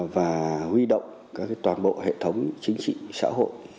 và huy động các toàn bộ hệ thống chính trị xã hội